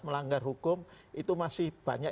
melanggar hukum itu masih banyak